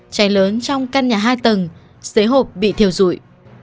trái lớn trong căn nhà hai tầng giấy hộp bị thiểu rụi